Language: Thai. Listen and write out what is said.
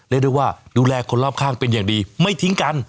เรียกได้ว่าดูแลคนรอบข้างเป็นอย่างดีไม่ทิ้งกัน